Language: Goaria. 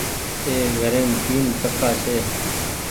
اي گهريم تين پنکآ ڇي۔